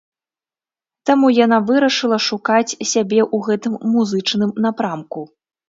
Таму яна вырашыла шукаць сябе ў гэтым музычным напрамку.